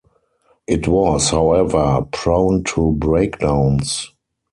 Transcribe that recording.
It was, however, prone to breakdowns.